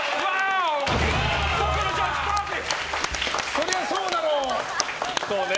そりゃそうだろう！